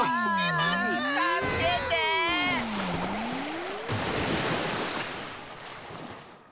たすけてえ！